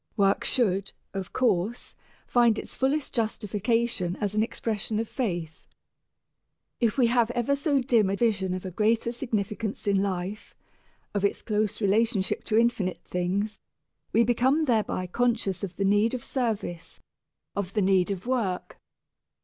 Work should, of course, find its fullest justification as an expression of faith. If we have ever so dim a vision of a greater significance in life, of its close relationship to infinite things, we become thereby conscious of the need of service, of the need of work.